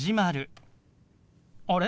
あれ？